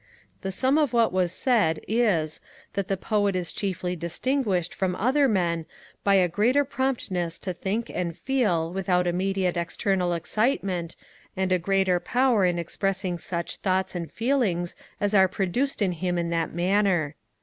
The sum of what was said is, that the Poet is chiefly distinguished from other men by a greater promptness to think and feel without immediate external excitement, and a greater power in expressing such thoughts and feelings as are produced in him in that manner.